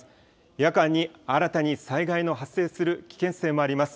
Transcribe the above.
夜間に新たに災害の発生する危険性もあります。